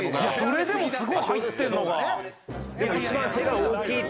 それでもすごい入ってるのが。